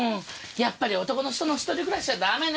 やっぱり男の人の一人暮らしはダメね！